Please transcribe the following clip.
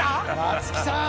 松木さん！